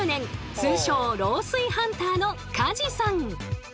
通称漏水ハンターの梶さん。